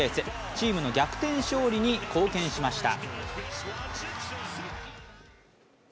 チームの逆転勝利に貢献しました。